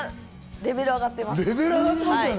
レベル上がってますよね。